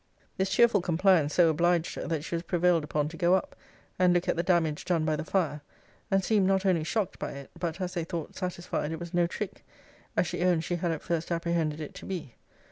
'This cheerful compliance so obliged her, that she was prevailed upon to go up, and look at the damage done by the fire; and seemed not only shocked by it, but, as they thought, satisfied it was no trick; as she owned she had at first apprehended it to be.